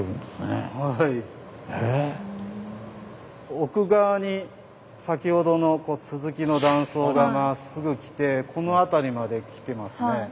奥側に先ほどの続きの断層がまっすぐきてこの辺りまできてますね。